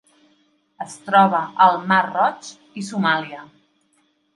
Es troba al Mar Roig i Somàlia.